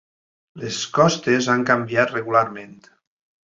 Les costes han canviat regularment.